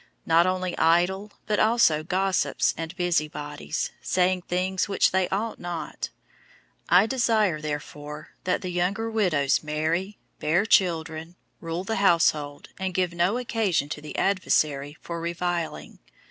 Not only idle, but also gossips and busybodies, saying things which they ought not. 005:014 I desire therefore that the younger widows marry, bear children, rule the household, and give no occasion to the adversary for reviling.